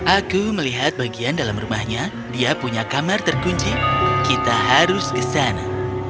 aku melihat bagian dalam rumahnya dia punya kamar terkunci kita harus ke sana